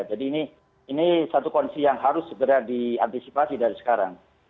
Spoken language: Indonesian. jadi ini satu kondisi yang harus segera diantisipasi dari sekarang